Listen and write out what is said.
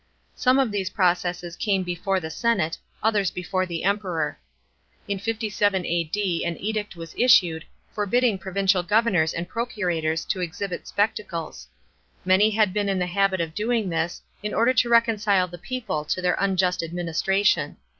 Some of these processes can e before the senate, others before the Emperor. In 57 A.D. an edict was issued, forbidding provincial governors and procurators to exhibit spectacles. Many had been in the habit of doing this, in order to reconcile the people to their unjust administration.